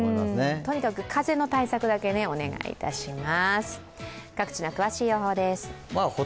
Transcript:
とにかく風の対策だけお願いいたします。